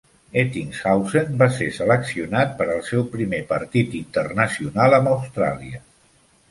Ettingshausen va ser seleccionat per al seu primer partit internacional amb Austràlia.